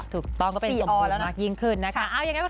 ถูกต้องก็เป็นสมบูรณ์มากยิงขึ้นนะครับเอาอย่างไรบ้างครับ